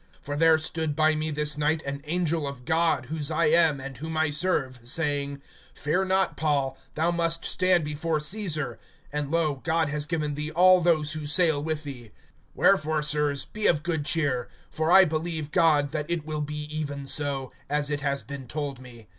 (23)For there stood by me this night an angel of God, whose I am, and whom I serve, (24)saying: Fear not, Paul; thou must stand before Caesar; and, lo, God has given thee all those who sail with thee. (25)Wherefore, sirs, be of good cheer; for I believe God, that it will be even so, as it has been told me.